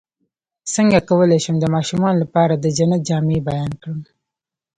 څنګه کولی شم د ماشومانو لپاره د جنت جامې بیان کړم